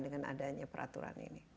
dengan adanya peraturan ini